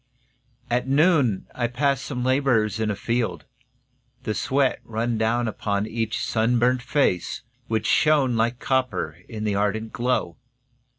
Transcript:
At noon I passed some labourers in a field. The sweat ran down upon each sunburnt face, Which shone like copper in the ardent glow.